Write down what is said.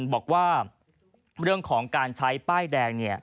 บอกว่าเรื่องของการใช้ป้ายแดง